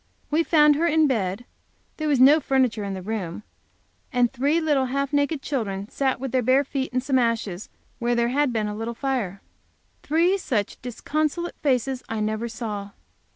We found her in bed; there was no furniture in the room, and three little half naked children sat with their bare feet in some ashes where there had been a little fire. Three such disconsolate faces I never saw.